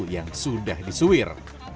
yang sudah disuir